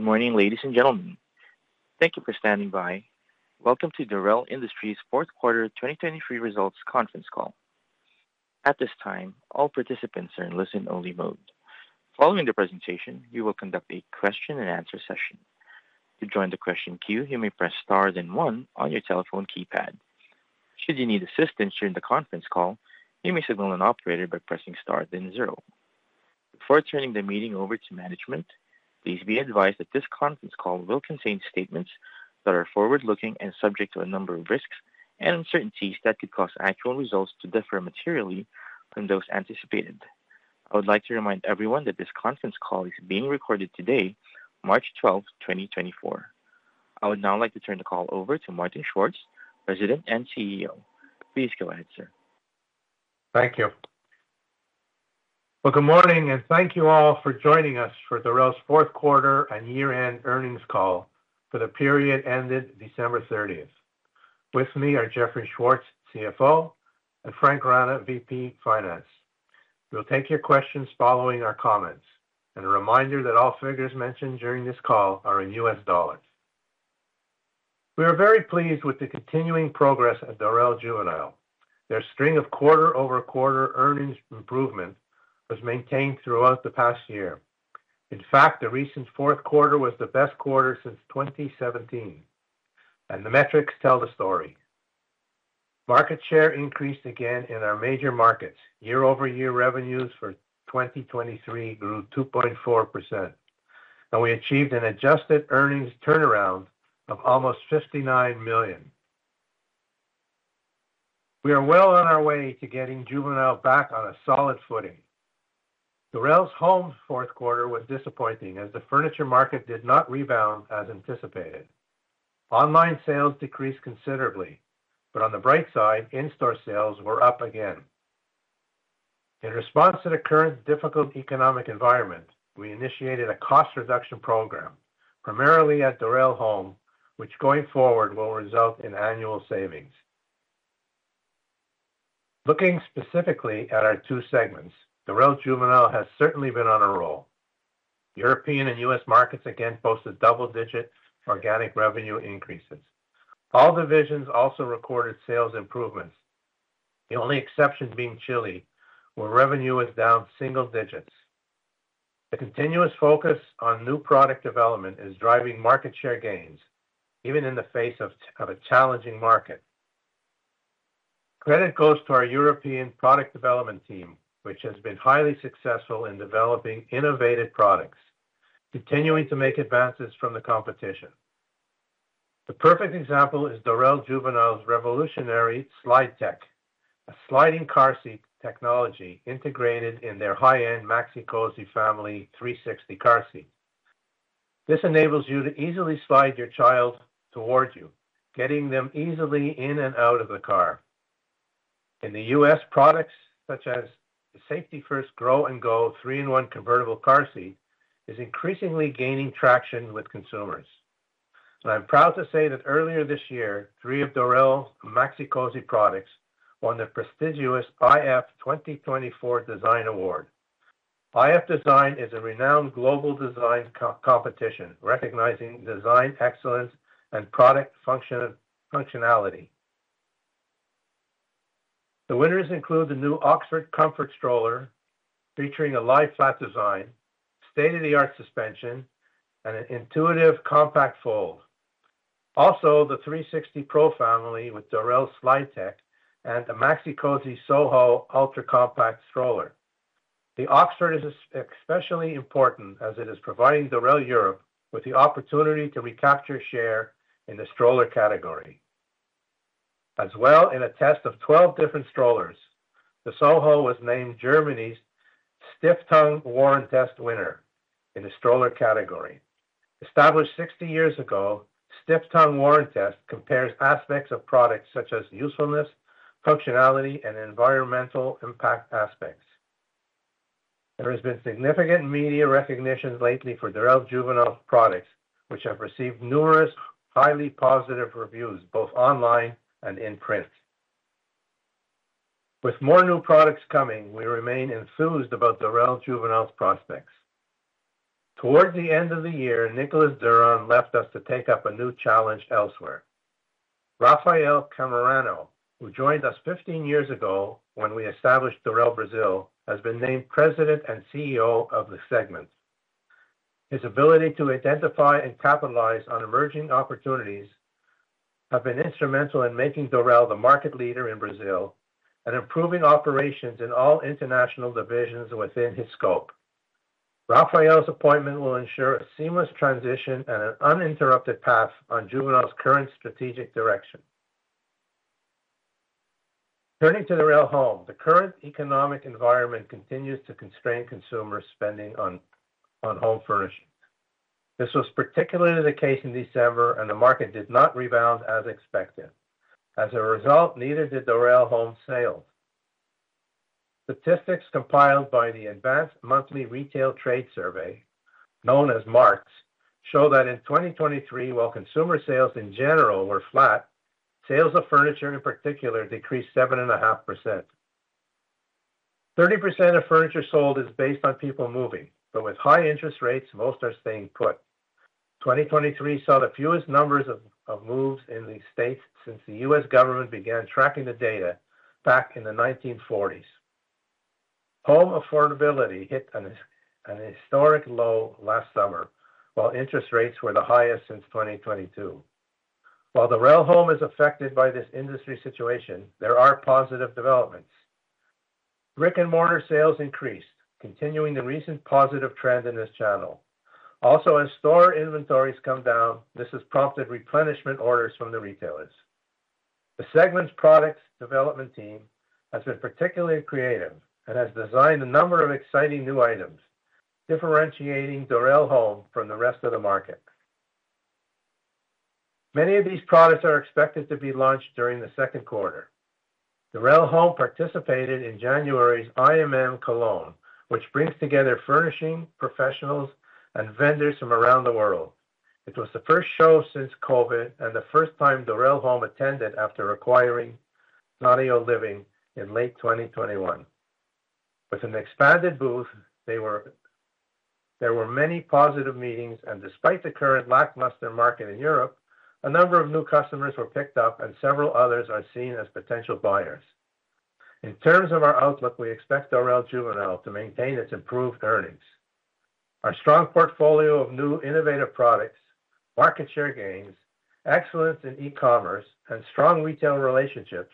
Good morning, ladies and gentlemen. Thank you for standing by. Welcome to Dorel Industries' Q4 2023 results conference call. At this time, all participants are in listen-only mode. Following the presentation, we will conduct a question-and-answer session. To join the question queue, you may press star then one on your telephone keypad. Should you need assistance during the conference call, you may signal an operator by pressing star then zero. Before turning the meeting over to management, please be advised that this conference call will contain statements that are forward-looking and subject to a number of risks and uncertainties that could cause actual results to differ materially from those anticipated. I would like to remind everyone that this conference call is being recorded today, March 12, 2024. I would now like to turn the call over to Martin Schwartz, President and CEO. Please go ahead, sir. Thank you. Well, good morning, and thank you all for joining us for Dorel's Q4 and year-end earnings call for the period ended December 30. With me are Jeffrey Schwartz, CFO, and Frank Rana, VP Finance. We'll take your questions following our comments, and a reminder that all figures mentioned during this call are in US dollars. We are very pleased with the continuing progress at Dorel Juvenile. Their string of quarter-over-quarter earnings improvement was maintained throughout the past year. In fact, the recent Q4 was the best quarter since 2017, and the metrics tell the story. Market share increased again in our major markets. Year-over-year revenues for 2023 grew 2.4%, and we achieved an adjusted earnings turnaround of almost $59 million. We are well on our way to getting Juvenile back on a solid footing. Dorel Home's Q4 was disappointing as the furniture market did not rebound as anticipated. Online sales decreased considerably, but on the bright side, in-store sales were up again. In response to the current difficult economic environment, we initiated a cost reduction program, primarily at Dorel Home, which going forward will result in annual savings. Looking specifically at our two segments, Dorel Juvenile has certainly been on a roll. European and U.S. markets again posted double-digit organic revenue increases. All divisions also recorded sales improvements, the only exception being Chile, where revenue was down single digits. The continuous focus on new product development is driving market share gains, even in the face of a challenging market. Credit goes to our European product development team, which has been highly successful in developing innovative products, continuing to make advances from the competition. The perfect example is Dorel Juvenile's revolutionary SlideTech, a sliding car seat technology integrated in their high-end Maxi-Cosi Family 360 car seat. This enables you to easily slide your child toward you, getting them easily in and out of the car. In the U.S., products such as the Safety 1st Grow & Go 3-in-1 convertible car seat are increasingly gaining traction with consumers. And I'm proud to say that earlier this year, three of Dorel's Maxi-Cosi products won the prestigious iF 2024 Design Award. iF Design is a renowned global design competition recognizing design excellence and product functionality. The winners include the new Oxford Comfort Stroller, featuring a lie-flat design, state-of-the-art suspension, and an intuitive compact fold. Also, the 360 Pro Family with Dorel SlideTech and the Maxi-Cosi Soho Ultra Compact Stroller. The Oxford is especially important as it is providing Dorel Europe with the opportunity to recapture share in the stroller category. As well, in a test of 12 different strollers, the Soho was named Germany's Stiftung Warentest winner in the stroller category. Established 60 years ago, Stiftung Warentest compares aspects of products such as usefulness, functionality, and environmental impact aspects. There has been significant media recognition lately for Dorel Juvenile's products, which have received numerous highly positive reviews both online and in print. With more new products coming, we remain enthused about Dorel Juvenile's prospects. Toward the end of the year, Nicolas Duran left us to take up a new challenge elsewhere. Rafael Camarano, who joined us 15 years ago when we established Dorel Brazil, has been named President and CEO of the segment. His ability to identify and capitalize on emerging opportunities has been instrumental in making Dorel the market leader in Brazil and improving operations in all international divisions within his scope. Rafael's appointment will ensure a seamless transition and an uninterrupted path on Juvenile's current strategic direction. Turning to Dorel Home, the current economic environment continues to constrain consumers' spending on home furnishings. This was particularly the case in December, and the market did not rebound as expected. As a result, neither did Dorel Home sales. Statistics compiled by the Advanced Monthly Retail Trade Survey, known as MARTS, show that in 2023, while consumer sales in general were flat, sales of furniture in particular decreased 7.5%. 30% of furniture sold is based on people moving, but with high interest rates, most are staying put. 2023 saw the fewest numbers of moves in the States since the U.S. government began tracking the data back in the 1940s. Home affordability hit an historic low last summer, while interest rates were the highest since 2022. While Dorel Home is affected by this industry situation, there are positive developments. Brick-and-mortar sales increased, continuing the recent positive trend in this channel. Also, as store inventories come down, this has prompted replenishment orders from the retailers. The segment's product development team has been particularly creative and has designed a number of exciting new items, differentiating Dorel Home from the rest of the market. Many of these products are expected to be launched during the Q2. Dorel Home participated in January's IMM Cologne, which brings together furnishing professionals and vendors from around the world. It was the first show since COVID and the first time Dorel Home attended after acquiring Notio Living in late 2021. With an expanded booth, there were many positive meetings, and despite the current lackluster market in Europe, a number of new customers were picked up, and several others are seen as potential buyers. In terms of our outlook, we expect Dorel Juvenile to maintain its improved earnings. Our strong portfolio of new innovative products, market share gains, excellence in e-commerce, and strong retail relationships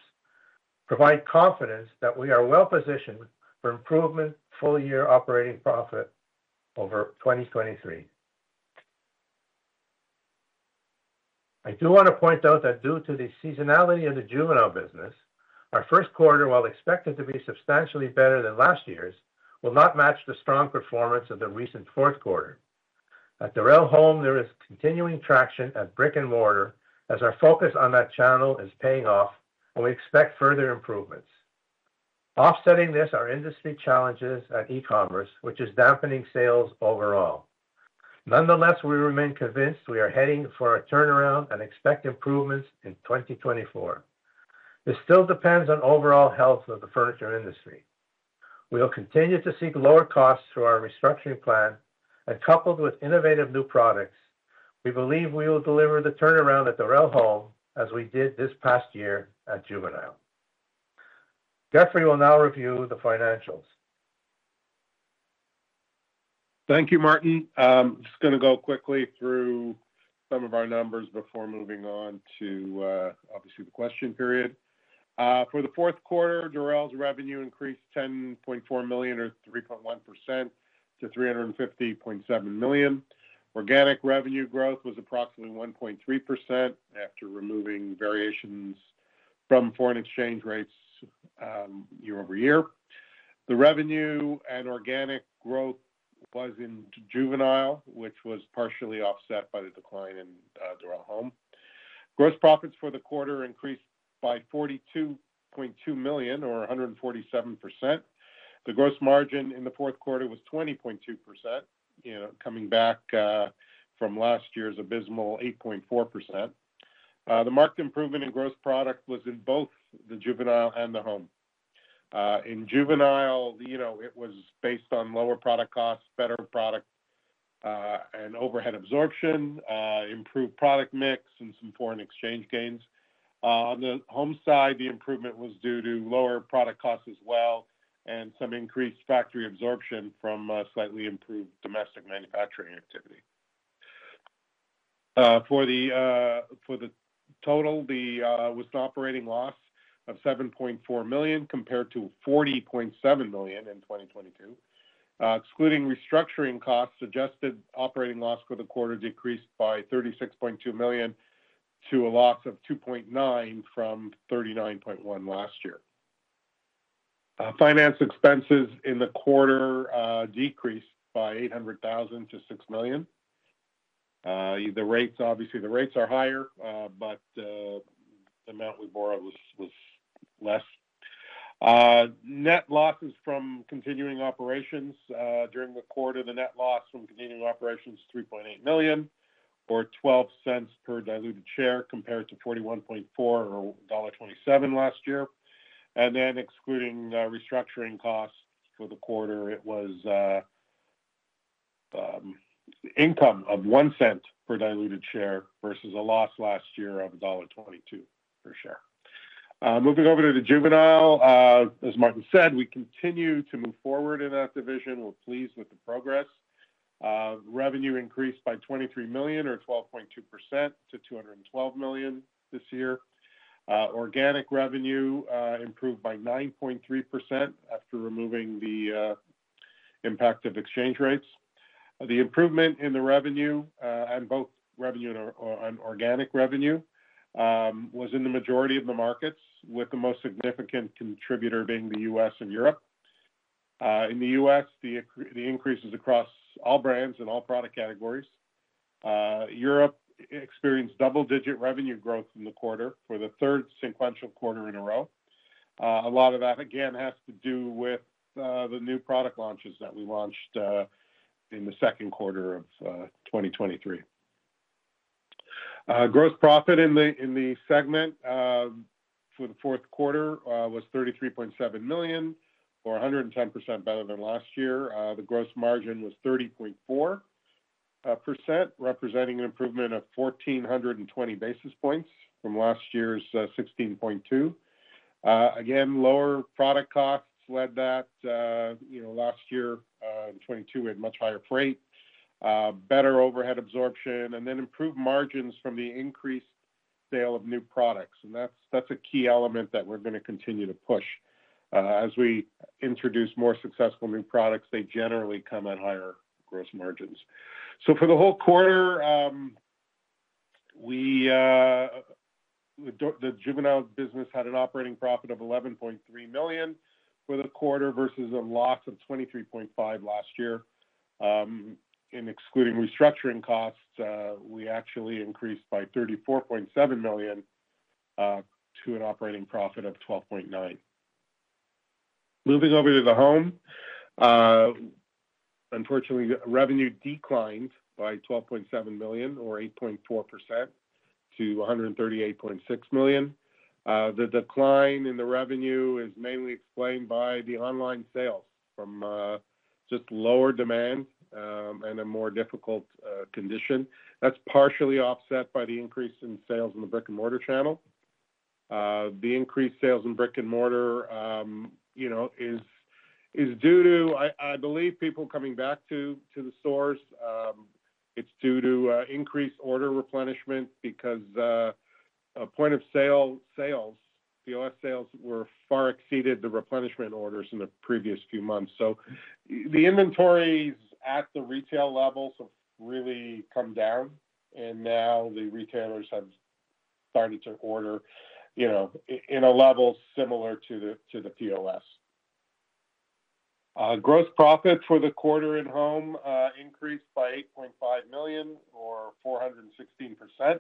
provide confidence that we are well-positioned for improvement full-year operating profit over 2023. I do want to point out that due to the seasonality of the Juvenile business, our Q1, while expected to be substantially better than last year's, will not match the strong performance of the recent Q4. At Dorel Home, there is continuing traction at brick-and-mortar as our focus on that channel is paying off, and we expect further improvements. Offsetting this are industry challenges at e-commerce, which is dampening sales overall. Nonetheless, we remain convinced we are heading for a turnaround and expect improvements in 2024. This still depends on overall health of the furniture industry. We will continue to seek lower costs through our restructuring plan, and coupled with innovative new products, we believe we will deliver the turnaround at Dorel Home as we did this past year at Juvenile. Jeffrey will now review the financials. Thank you, Martin. I'm just going to go quickly through some of our numbers before moving on to, obviously, the question period. For the Q4, Dorel's revenue increased $10.4 million or 3.1% to $350.7 million. Organic revenue growth was approximately 1.3% after removing variations from foreign exchange rates year-over-year. The revenue and organic growth was in Juvenile, which was partially offset by the decline in Dorel Home. Gross profits for the quarter increased by $42.2 million or 147%. The gross margin in the Q4 was 20.2%, coming back from last year's abysmal 8.4%. The marked improvement in gross profit was in both the Juvenile and the Home. In Juvenile, it was based on lower product costs, better product and overhead absorption, improved product mix, and some foreign exchange gains. On the home side, the improvement was due to lower product costs as well and some increased factory absorption from slightly improved domestic manufacturing activity. For the total, there was an operating loss of $7.4 million compared to $40.7 million in 2022. Excluding restructuring costs, adjusted operating loss for the quarter decreased by $36.2 million to a loss of $2.9 million from $39.1 million last year. Finance expenses in the quarter decreased by $800,000 to $6 million. Obviously, the rates are higher, but the amount we borrowed was less. Net losses from continuing operations during the quarter, the net loss from continuing operations is $3.8 million or $0.12 per diluted share compared to $41.4 million or $1.27 last year. Then excluding restructuring costs for the quarter, it was income of $0.01 per diluted share versus a loss last year of $1.22 per share. Moving over to the Juvenile, as Martin said, we continue to move forward in that division. We're pleased with the progress. Revenue increased by $23 million or 12.2% to $212 million this year. Organic revenue improved by 9.3% after removing the impact of exchange rates. The improvement in the revenue, both revenue and organic revenue, was in the majority of the markets, with the most significant contributor being the U.S. and Europe. In the U.S., the increase is across all brands and all product categories. Europe experienced double-digit revenue growth in the quarter for the third sequential quarter in a row. A lot of that, again, has to do with the new product launches that we launched in the Q2 of 2023. Gross profit in the segment for the Q4 was $33.7 million or 110% better than last year. The gross margin was 30.4%, representing an improvement of 1,420 basis points from last year's 16.2%. Again, lower product costs led that. Last year, in 2022, we had much higher freight, better overhead absorption, and then improved margins from the increased sale of new products. That's a key element that we're going to continue to push. As we introduce more successful new products, they generally come at higher gross margins. For the whole quarter, the Juvenile business had an operating profit of $11.3 million for the quarter versus a loss of $23.5 million last year. Excluding restructuring costs, we actually increased by $34.7 million to an operating profit of $12.9 million. Moving over to the Home, unfortunately, revenue declined by $12.7 million or 8.4% to $138.6 million. The decline in the revenue is mainly explained by the online sales from just lower demand and a more difficult condition. That's partially offset by the increase in sales in the brick-and-mortar channel. The increased sales in brick-and-mortar is due to, I believe, people coming back to the stores. It's due to increased order replenishment because point-of-sale sales, the US sales, far exceeded the replenishment orders in the previous few months. So the inventories at the retail levels have really come down, and now the retailers have started to order in a level similar to the POS. Gross profit for the quarter in Home increased by $8.5 million or 416%.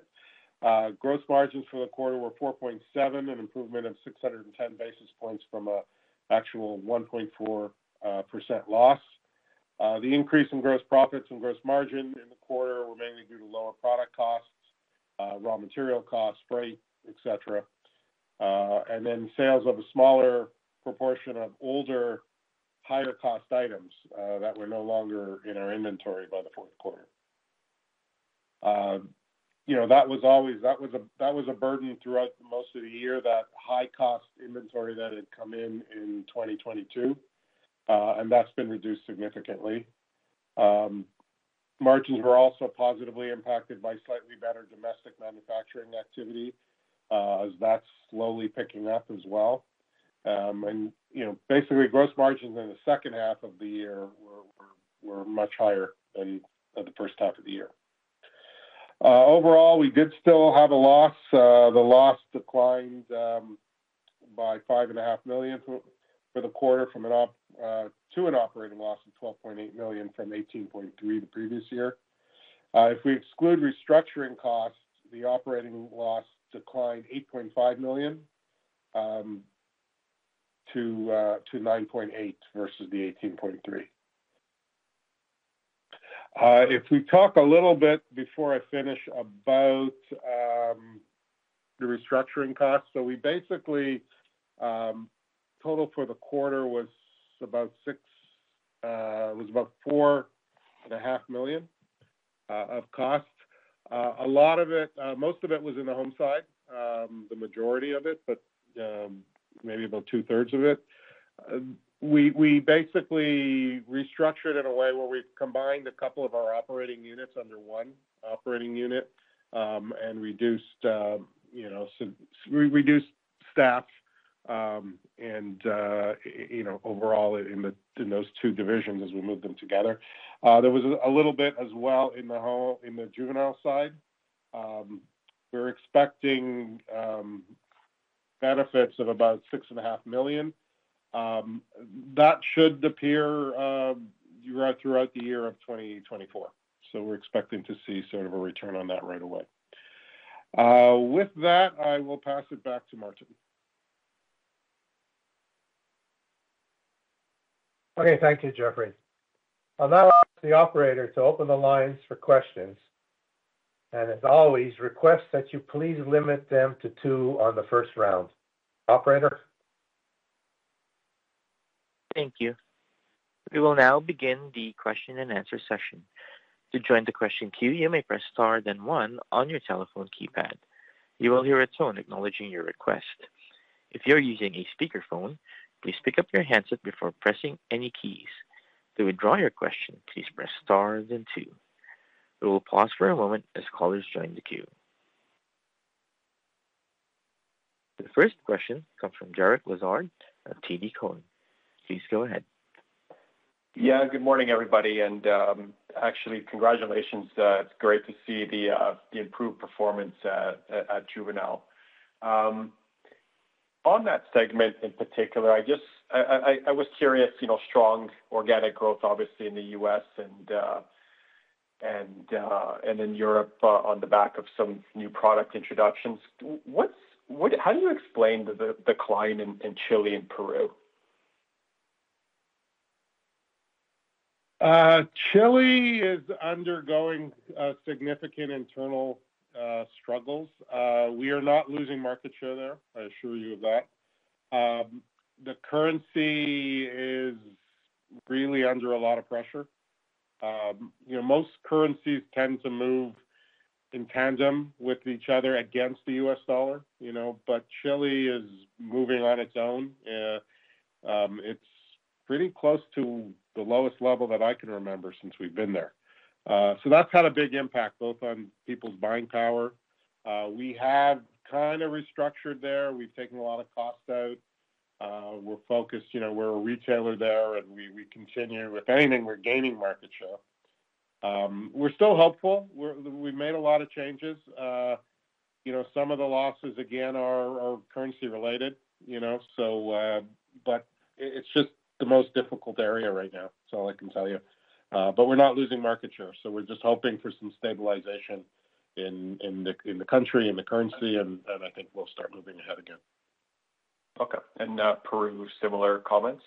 Gross margins for the quarter were 4.7%, an improvement of 610 basis points from an actual 1.4% loss. The increase in gross profits and gross margin in the quarter were mainly due to lower product costs, raw material costs, freight, etc. Then sales of a smaller proportion of older, higher-cost items that were no longer in our inventory by the Q4. That was always a burden throughout most of the year, that high-cost inventory that had come in in 2022, and that's been reduced significantly. Margins were also positively impacted by slightly better domestic manufacturing activity as that's slowly picking up as well. Basically, gross margins in the H2 of the year were much higher than the H1 of the year. Overall, we did still have a loss. The loss declined by $5.5 million for the quarter to an operating loss of $12.8 million from $18.3 million the previous year. If we exclude restructuring costs, the operating loss declined $8.5 million to $9.8 million versus the $18.3 million. If we talk a little bit before I finish about the restructuring costs, so we basically totaled for the quarter was about $4.5 million of cost. Most of it was in the home side, the majority of it, but maybe about two-thirds of it. We basically restructured in a way where we combined a couple of our operating units under one operating unit and reduced staff and overall in those two divisions as we moved them together. There was a little bit as well in the Juvenile side. We're expecting benefits of about $6.5 million. That should appear throughout the year of 2024. So we're expecting to see sort of a return on that right away. With that, I will pass it back to Martin. Okay. Thank you, Jeffrey. I'll now ask the operator to open the lines for questions. And as always, request that you please limit them to two on the first round. Operator? Thank you. We will now begin the question-and-answer session. To join the question queue, you may press star then one on your telephone keypad. You will hear a tone acknowledging your request. If you're using a speakerphone, please pick up your handset before pressing any keys. To withdraw your question, please press star then two. We will pause for a moment as callers join the queue. The first question comes from Derek Lessard of TD Cowen. Please go ahead. Yeah. Good morning, everybody. Actually, congratulations. It's great to see the improved performance at Juvenile. On that segment in particular, I was curious, strong organic growth, obviously, in the US and in Europe on the back of some new product introductions. How do you explain the decline in Chile in Peru? Chile is undergoing significant internal struggles. We are not losing market share there. I assure you of that. The currency is really under a lot of pressure. Most currencies tend to move in tandem with each other against the US dollar, but Chile is moving on its own. It's pretty close to the lowest level that I can remember since we've been there. So that's had a big impact both on people's buying power. We have kind of restructured there. We've taken a lot of costs out. We're a retailer there, and we continue. If anything, we're gaining market share. We're still hopeful. We've made a lot of changes. Some of the losses, again, are currency-related, but it's just the most difficult area right now, is all I can tell you. But we're not losing market share. We're just hoping for some stabilization in the country, in the currency, and I think we'll start moving ahead again. Okay. And Peru, similar comments?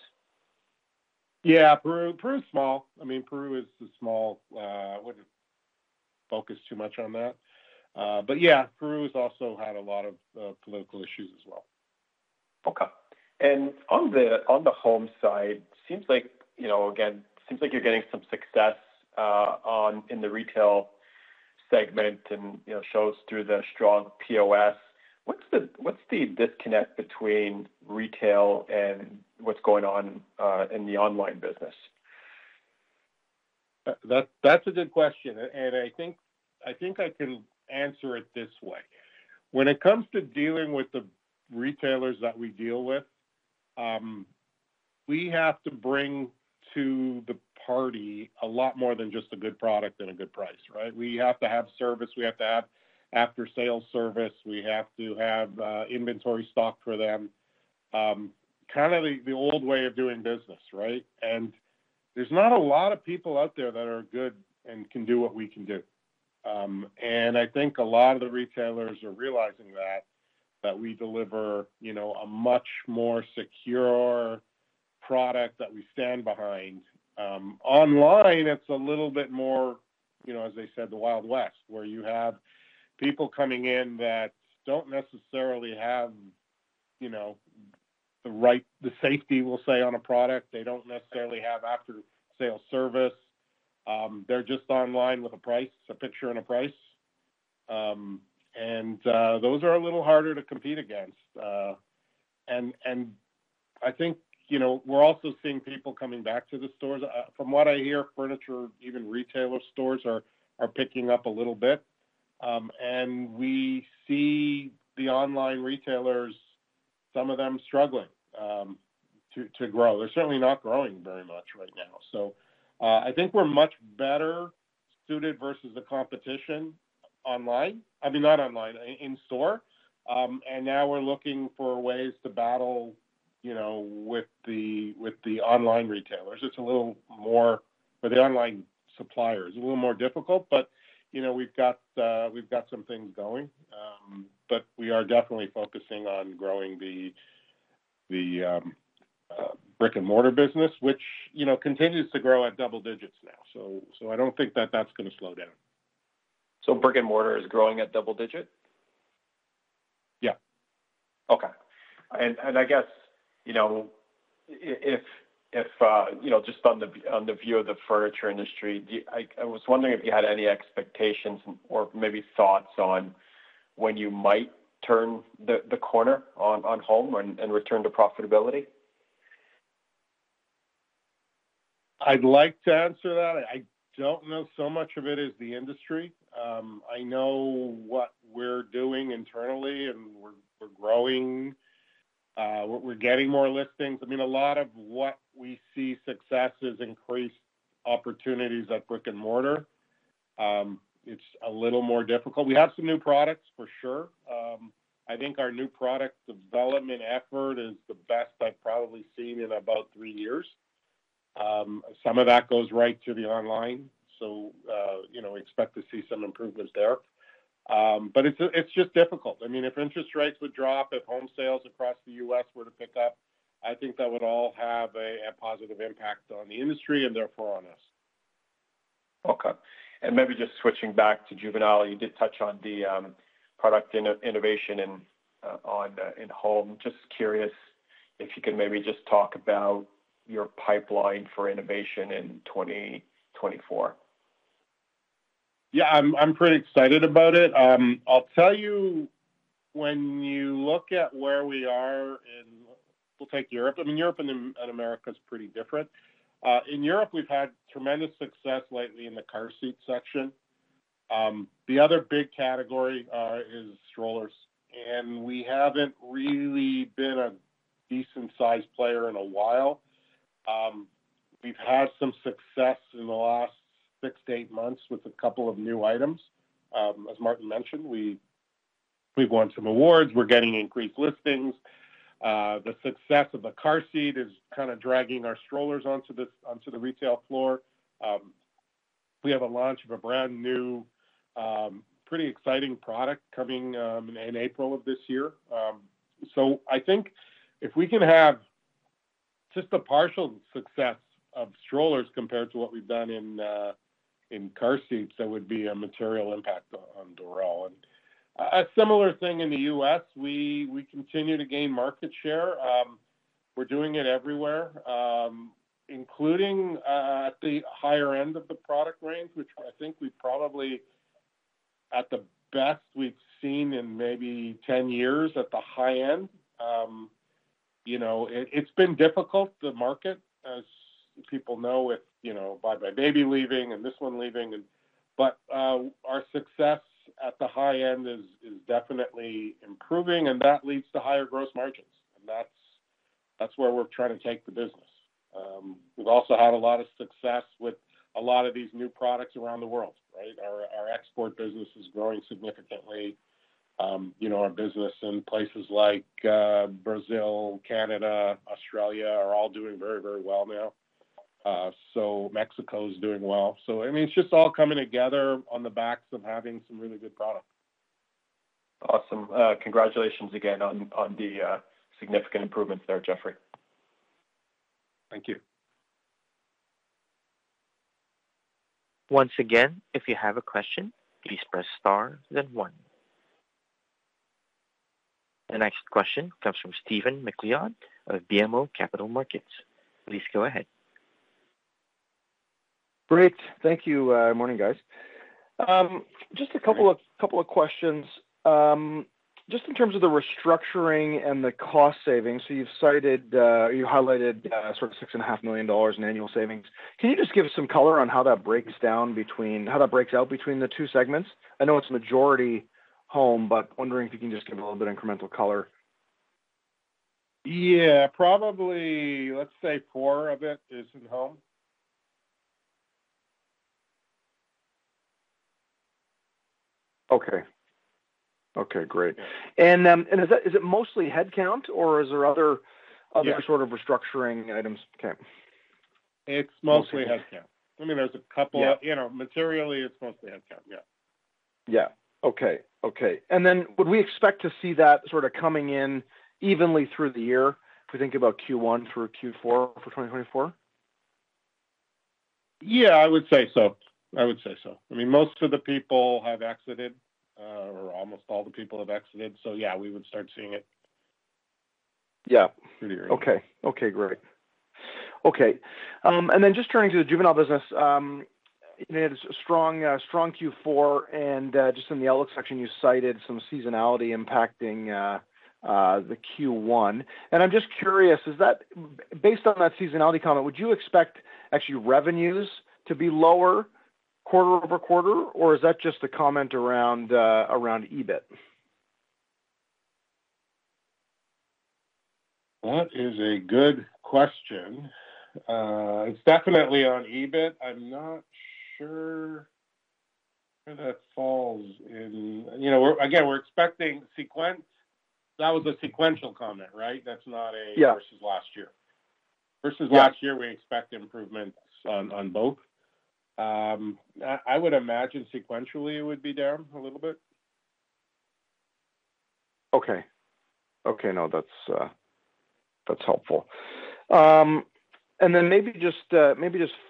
Yeah. Peru is small. I mean, Peru is small, I wouldn't focus too much on that. But yeah, Peru has also had a lot of political issues as well. Okay. On the home side, again, it seems like you're getting some success in the retail segment and shows through the strong POS. What's the disconnect between retail and what's going on in the online business? That's a good question. I think I can answer it this way. When it comes to dealing with the retailers that we deal with, we have to bring to the party a lot more than just a good product and a good price, right? We have to have service. We have to have after-sales service. We have to have inventory stock for them, kind of the old way of doing business, right? There's not a lot of people out there that are good and can do what we can do. I think a lot of the retailers are realizing that we deliver a much more secure product that we stand behind. Online, it's a little bit more, as they said, the Wild West, where you have people coming in that don't necessarily have the right safety, we'll say, on a product. They don't necessarily have after-sales service. They're just online with a picture and a price. And those are a little harder to compete against. And I think we're also seeing people coming back to the stores. From what I hear, furniture, even retailer stores are picking up a little bit. And we see the online retailers, some of them struggling to grow. They're certainly not growing very much right now. So I think we're much better suited versus the competition online. I mean, not online, in-store. And now we're looking for ways to battle with the online retailers. It's a little more for the online suppliers, a little more difficult, but we've got some things going. But we are definitely focusing on growing the brick-and-mortar business, which continues to grow at double digits now. So I don't think that that's going to slow down. Brick-and-mortar is growing at double-digit? Yeah. Okay. And I guess if just on the view of the furniture industry, I was wondering if you had any expectations or maybe thoughts on when you might turn the corner on Home and return to profitability? I'd like to answer that. I don't know so much of it is the industry. I know what we're doing internally, and we're growing. We're getting more listings. I mean, a lot of what we see success is increased opportunities at brick-and-mortar. It's a little more difficult. We have some new products, for sure. I think our new product development effort is the best I've probably seen in about three years. Some of that goes right to the online, so expect to see some improvements there. But it's just difficult. I mean, if interest rates would drop, if home sales across the U.S. were to pick up, I think that would all have a positive impact on the industry and therefore on us. Okay. Maybe just switching back to Juvenile, you did touch on the product innovation in Home. Just curious if you could maybe just talk about your pipeline for innovation in 2024. Yeah. I'm pretty excited about it. I'll tell you, when you look at where we are in we'll take Europe. I mean, Europe and America is pretty different. In Europe, we've had tremendous success lately in the car seat section. The other big category is strollers. And we haven't really been a decent-sized player in a while. We've had some success in the last 6-8 months with a couple of new items. As Martin mentioned, we've won some awards. We're getting increased listings. The success of the car seat is kind of dragging our strollers onto the retail floor. We have a launch of a brand new, pretty exciting product coming in April of this year. So I think if we can have just a partial success of strollers compared to what we've done in car seats, that would be a material impact on Dorel. A similar thing in the US, we continue to gain market share. We're doing it everywhere, including at the higher end of the product range, which I think we probably at the best we've seen in maybe 10 years at the high end. It's been difficult, the market, as people know, with buybuy BABY leaving and Babies"R"Us leaving. But our success at the high end is definitely improving, and that leads to higher gross margins. And that's where we're trying to take the business. We've also had a lot of success with a lot of these new products around the world, right? Our export business is growing significantly. Our business in places like Brazil, Canada, Australia are all doing very, very well now. So Mexico is doing well. So I mean, it's just all coming together on the backs of having some really good products. Awesome. Congratulations again on the significant improvements there, Jeffrey. Thank you. Once again, if you have a question, please press star then one. The next question comes from Steven MacLean of BMO Capital Markets. Please go ahead. Great. Thank you. Good morning, guys. Just a couple of questions. Just in terms of the restructuring and the cost savings, so you highlighted sort of $6.5 million in annual savings. Can you just give us some color on how that breaks down between how that breaks out between the two segments? I know it's majority Home, but wondering if you can just give a little bit of incremental color? Yeah. Probably, let's say, four of it is in Home. Okay. Okay. Great. And is it mostly headcount, or is there other sort of restructuring items? Okay. It's mostly headcount. I mean, there's a couple of materially, it's mostly headcount. Yeah. Yeah. Okay. Okay. And then would we expect to see that sort of coming in evenly through the year if we think about Q1 through Q4 for 2024? Yeah. I would say so. I would say so. I mean, most of the people have exited, or almost all the people have exited. So yeah, we would start seeing it pretty early. Yeah. Okay. Okay. Great. Okay. And then just turning to the Juvenile business, you had a strong Q4. And just in the outlook section, you cited some seasonality impacting the Q1. And I'm just curious, based on that seasonality comment, would you expect actually revenues to be lower quarter-over-quarter, or is that just a comment around EBIT? That is a good question. It's definitely on EBIT. I'm not sure where that falls in again, we're expecting that was a sequential comment, right? That's not a versus last year. Versus last year, we expect improvements on both. I would imagine sequentially, it would be down a little bit. Okay. Okay. No, that's helpful. And then maybe just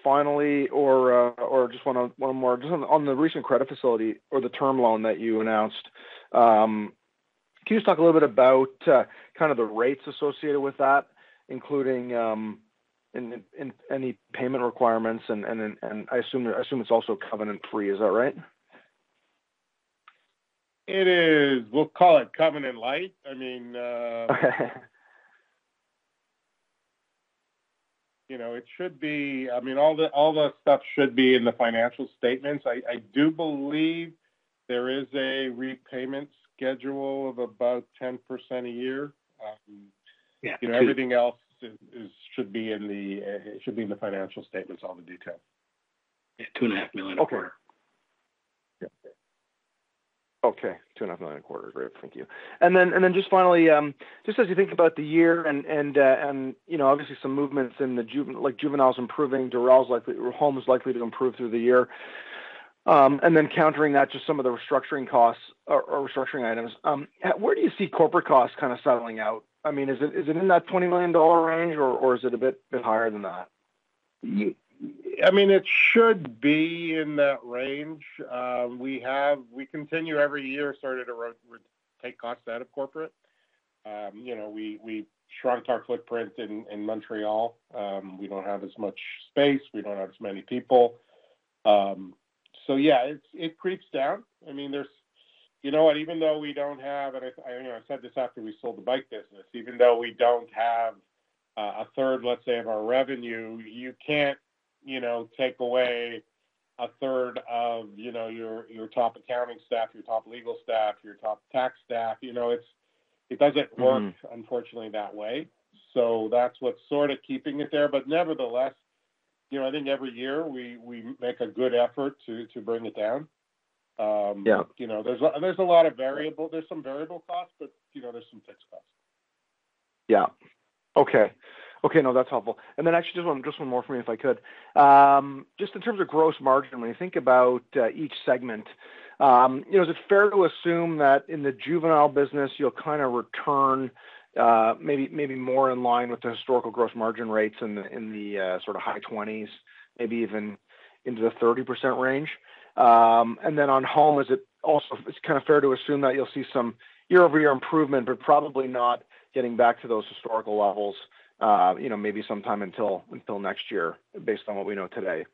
finally, or just one more just on the recent credit facility or the term loan that you announced, can you just talk a little bit about kind of the rates associated with that, including any payment requirements? And I assume it's also covenant-free. Is that right? It is. We'll call it covenant-light. I mean, it should be. I mean, all the stuff should be in the financial statements. I do believe there is a repayment schedule of about 10% a year. Everything else should be in the. It should be in the financial statements, all the details. Yeah. $2.5 million a quarter. Okay. Okay. $2.5 million a quarter. Great. Thank you. And then just finally, just as you think about the year and obviously, some movements in the Juvenile is improving. Dorel's likely Home is likely to improve through the year. And then countering that, just some of the restructuring costs or restructuring items, where do you see corporate costs kind of settling out? I mean, is it in that $20 million range, or is it a bit higher than that? I mean, it should be in that range. We continue every year, starting to take costs out of corporate. We shrunk our footprint in Montreal. We don't have as much space. We don't have as many people. So yeah, it creeps down. I mean, you know what? Even though we don't have, and I said this after we sold the bike business, even though we don't have a third, let's say, of our revenue, you can't take away a third of your top accounting staff, your top legal staff, your top tax staff. It doesn't work, unfortunately, that way. So that's what's sort of keeping it there. But nevertheless, I think every year, we make a good effort to bring it down. There's a lot of variable, there's some variable costs, but there's some fixed costs. Yeah. Okay. Okay. No, that's helpful. And then actually, just one more for me, if I could. Just in terms of gross margin, when you think about each segment, is it fair to assume that in the Juvenile business, you'll kind of return maybe more in line with the historical gross margin rates in the sort of high 20s, maybe even into the 30% range? And then on Home, is it also kind of fair to assume that you'll see some year-over-year improvement, but probably not getting back to those historical levels maybe sometime until next year, based on what we know today?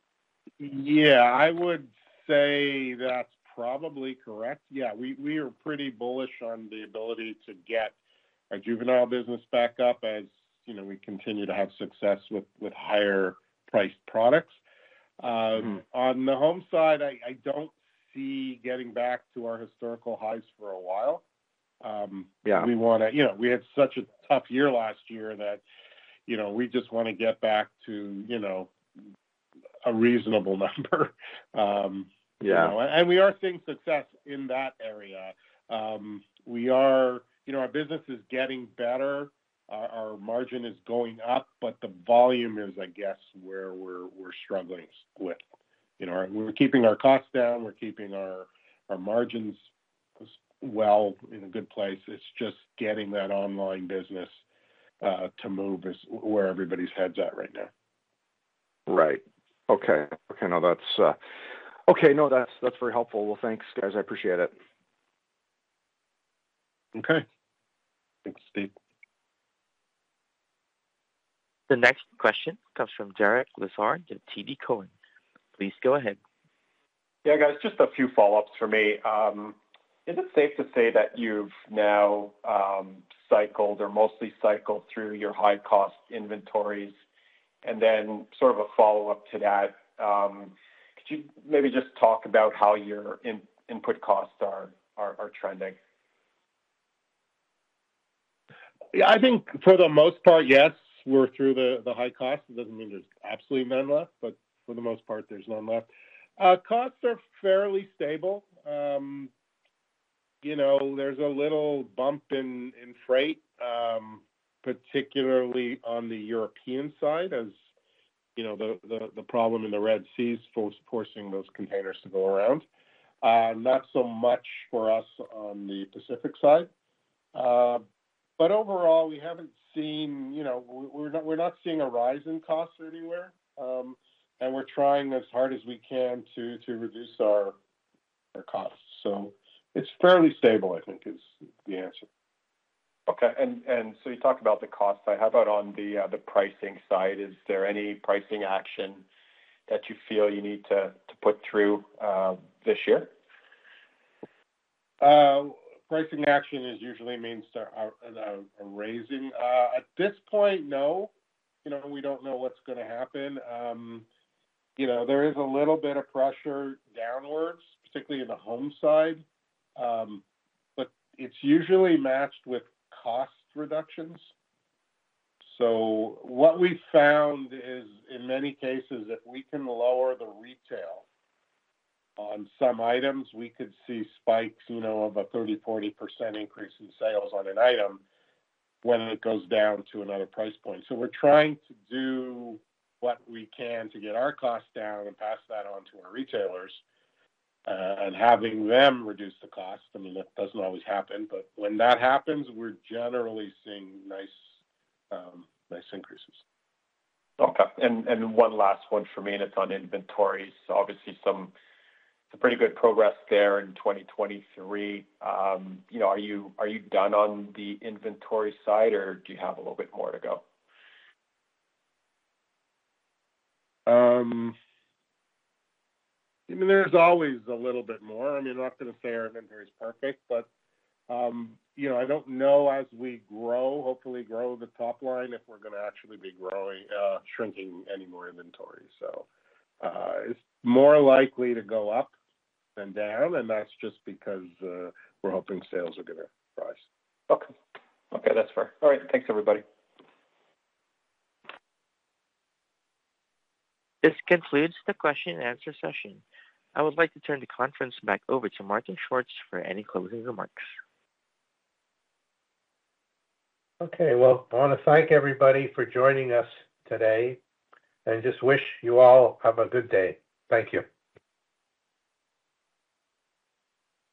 Yeah. I would say that's probably correct. Yeah. We are pretty bullish on the ability to get our Juvenile business back up as we continue to have success with higher-priced products. On the Home side, I don't see getting back to our historical highs for a while. We had such a tough year last year that we just want to get back to a reasonable number. And we are seeing success in that area. Our business is getting better. Our margin is going up, but the volume is, I guess, where we're struggling with. We're keeping our costs down. We're keeping our margins well in a good place. It's just getting that online business to move is where everybody's head's at right now. Right. Okay. Okay. No, that's okay. No, that's very helpful. Well, thanks, guys. I appreciate it. Okay. Thanks, Steve. The next question comes from Derek Lessard and TD Cowen. Please go ahead. Yeah, guys. Just a few follow-ups for me. Is it safe to say that you've now cycled or mostly cycled through your high-cost inventories? And then sort of a follow-up to that, could you maybe just talk about how your input costs are trending? Yeah. I think for the most part, yes. We're through the high costs. It doesn't mean there's absolutely none left, but for the most part, there's none left. Costs are fairly stable. There's a little bump in freight, particularly on the European side as the problem in the Red Sea is forcing those containers to go around. Not so much for us on the Pacific side. But overall, we haven't seen, we're not seeing a rise in costs anywhere, and we're trying as hard as we can to reduce our costs. So it's fairly stable, I think, is the answer. Okay. And so you talked about the cost side. How about on the pricing side? Is there any pricing action that you feel you need to put through this year? Pricing action usually means a raising. At this point, no. We don't know what's going to happen. There is a little bit of pressure downwards, particularly in the Home side, but it's usually matched with cost reductions. So what we found is, in many cases, if we can lower the retail on some items, we could see spikes of a 30%-40% increase in sales on an item when it goes down to another price point. So we're trying to do what we can to get our costs down and pass that on to our retailers and having them reduce the cost. I mean, that doesn't always happen, but when that happens, we're generally seeing nice increases. Okay. One last one for me, and it's on inventories. Obviously, it's a pretty good progress there in 2023. Are you done on the inventory side, or do you have a little bit more to go? I mean, there's always a little bit more. I mean, I'm not going to say our inventory is perfect, but I don't know as we grow, hopefully grow the top line, if we're going to actually be shrinking any more inventory. So it's more likely to go up than down, and that's just because we're hoping sales are going to rise. Okay. Okay. That's fair. All right. Thanks, everybody. This concludes the question-and-answer session. I would like to turn the conference back over to Martin Schwartz for any closing remarks. Okay. Well, I want to thank everybody for joining us today and just wish you all have a good day. Thank you.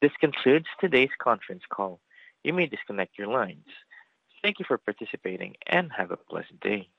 This concludes today's conference call. You may disconnect your lines. Thank you for participating, and have a blessed day.